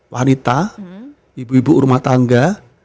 wanita ibu ibu rumah tangga